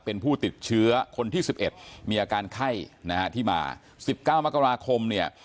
เป็นผู้ติดเชื้อคนที่๑๑มีอาการไข้นะฮะที่มา๑๙มกราคมเนี่ย